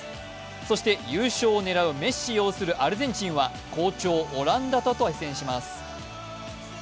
そして、優勝を狙うメッシ擁するアルゼンチンは好調・オランダと対戦します。